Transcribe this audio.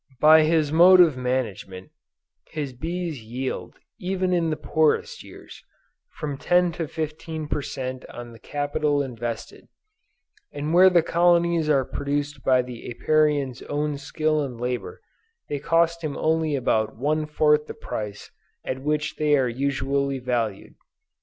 By his mode of management, his bees yield, even in the poorest years, from 10 to 15 per cent on the capital invested, and where the colonies are produced by the Apiarian's own skill and labor they cost him only about one fourth the price at which they are usually valued.